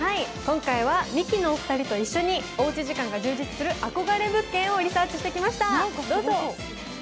今回はミキのお二人と一緒におうち時間が充実する憧れ物件をリサーチしてきました。